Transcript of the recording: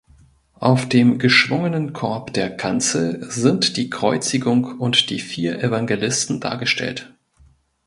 Auf dem geschwungen Korb der Kanzel sind die Kreuzigung und die vier Evangelisten dargestellt.